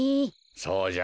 そうじゃ。